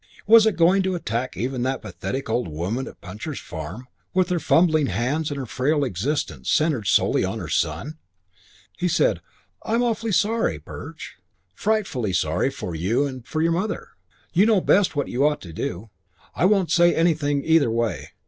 Was it going to attack even that pathetic little old woman at Puncher's Farm with her fumbling hands and her frail existence centred solely in her son? He said, "I'm awfully sorry, Perch. Frightfully sorry for your mother and for you. You know best what you ought to do. I won't say anything either way.